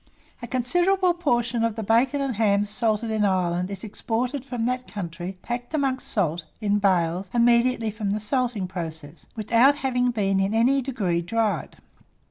A considerable portion of the bacon and hams salted in Ireland is exported from that country packed amongst salt, in bales, immediately from the salting process, without having been in any degree dried.